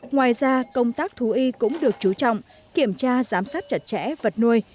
ngoài ra công tác thú y cũng được chú trọng kiểm tra giám sát chặt chẽ vật nuôi